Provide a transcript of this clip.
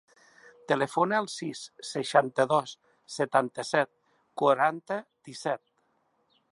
Telefona al sis, seixanta-dos, setanta-set, quaranta, disset.